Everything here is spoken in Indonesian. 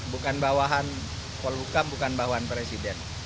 bukan bawahan polhukam bukan bawahan presiden